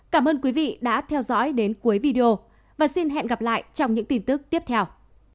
cảm ơn quý vị đã theo dõi đến cuối video và xin hẹn gặp lại trong những tin tức tiếp theo